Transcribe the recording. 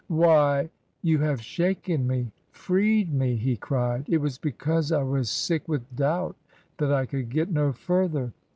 "Why! You have shaken me! Freed me!" he cried. " It was because I was sick with doubt that I could get no further.